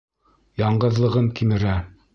Яңғыҙлығым кимерә.